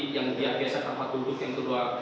yang dia geser tempat duduk yang kedua